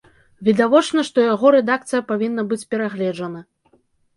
Відавочна, што яго рэдакцыя павінна быць перагледжана.